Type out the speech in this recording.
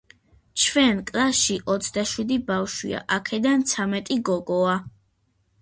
ჩვენ კლასში ოცდაშვიდი ბავშვია აქედან ცამეტი გოგოა